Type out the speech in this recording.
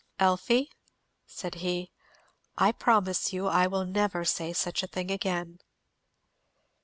"Elfie," said he, "I promise you I will never say such a thing again."